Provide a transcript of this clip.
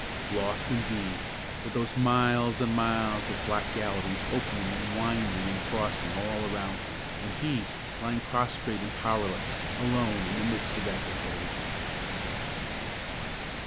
Lost, indeed, with those miles and miles of black galleries opening and winding and crossing all around him, and he, lying prostrate and powerless, alone in the midst of that desolation.